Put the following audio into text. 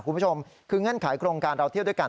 คุณผู้ชมคือเงื่อนไขโครงการเราเที่ยวด้วยกัน